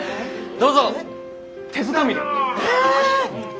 どうぞ手づかみで。え！？